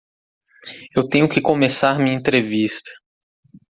Eu tenho que começar minha entrevista.